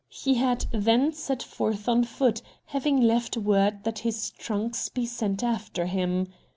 He had then set forth on foot, having left word that his trunks be sent after him.